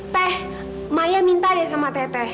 teh saya minta deh sama tete